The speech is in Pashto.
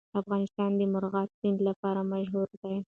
افغانستان د مورغاب سیند لپاره مشهور دی.